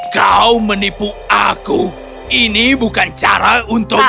kau menipu aku ini bukan cara untuk